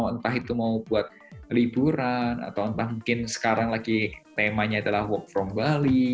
entah itu mau buat liburan atau entah mungkin sekarang lagi temanya adalah work from bali